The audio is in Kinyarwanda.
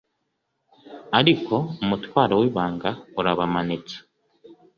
Ariko umutwaro wibanga urabamanitse